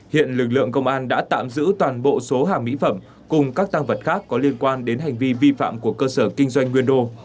hiện lực lượng công an đã tạm giữ toàn bộ số hàng mỹ phẩm cùng các tăng vật khác có liên quan đến hành vi vi phạm của cơ sở kinh doanh nguyên đô